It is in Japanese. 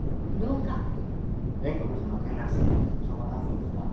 円国寺の転落死帳場立つんですか？